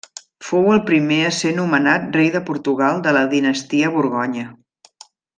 Fou el primer a ser nomenat rei de Portugal de la dinastia Borgonya.